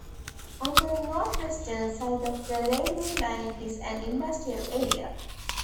On the northwestern side of the railway line is an industrial area.